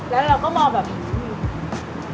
แล้วเราก็มองแบบอืม